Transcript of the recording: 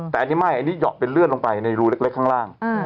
แต่อันนี้ไม่อันนี้เหยาะเป็นเลื่อนลงไปในรูเล็กข้างล่าง